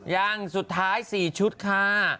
อย่างสุดท้าย๔ชุดค่ะ